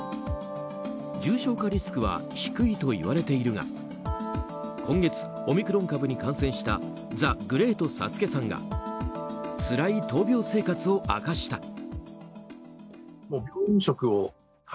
重症化リスクは低いといわれているが今月オミクロン株に感染したザ・グレート・サスケさんがつらい闘病生活を明かした。